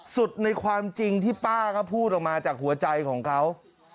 สุดในความจริงที่ป้าก็พูดออกมาจากหัวใจของเขา